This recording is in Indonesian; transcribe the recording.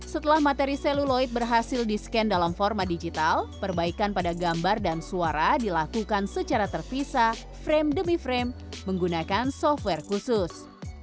setelah materi seluloid berhasil di scan dalam format digital perbaikan pada gambar dan suara dilakukan secara terpisah frame demi frame menggunakan software khusus